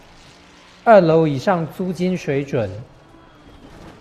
二樓以上租金水準